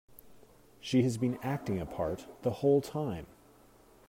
She has been acting a part the whole time.